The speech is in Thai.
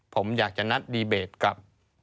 ผมอยากจะนัดดีเบตกับ